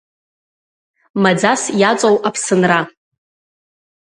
Маӡас иаҵоу Аԥсынра!